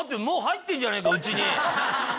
もう入ってんじゃねえかうちに。